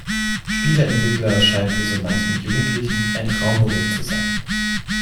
Spieleentwickler scheint für so manchen Jugendlichen ein Traumberuf zu sein.